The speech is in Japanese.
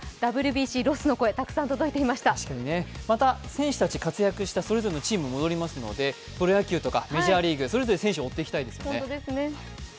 また選手たち、それぞれのチームに戻りますのでプロ野球とかメジャーリーグ、それぞれ選手を追っていきたいですよね。